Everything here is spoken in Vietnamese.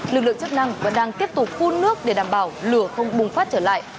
lực lượng chức năng vẫn đang tiếp tục phun nước để đảm bảo lửa không bùng phát trở lại